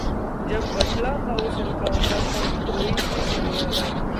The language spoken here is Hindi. जब बटला हाउस एनकाउंटर पर रोई थीं सोनिया गांधी...